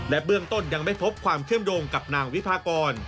เบื้องต้นยังไม่พบความเชื่อมโยงกับนางวิพากร